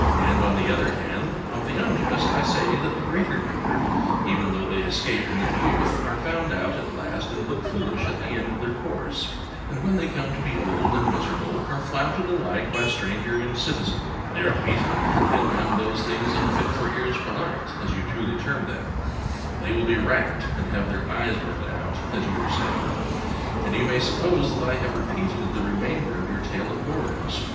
And, on the other hand, of the unjust I say that the greater number, even though they escape in their youth, are found out at last and look foolish at the end of their course, and when they come to be old and miserable are flouted alike by stranger and citizen; they are beaten and then come those things unfit for ears polite, as you truly term them; they will be racked and have their eyes burned out, as you were saying. And you may suppose that I have repeated the remainder of your tale of horrors.